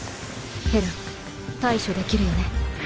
フェルン対処できるよね？